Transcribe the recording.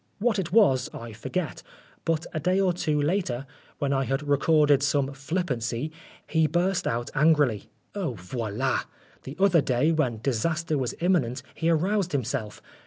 What it was I forget, but a day or two later, when I had recorded some flippancy, he burst out angrily, " Oh, voila. The other day, when disaster was imminent, he aroused himself.